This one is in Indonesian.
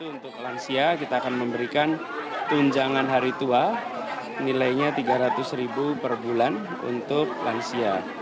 untuk lansia kita akan memberikan tunjangan hari tua nilainya rp tiga ratus ribu per bulan untuk lansia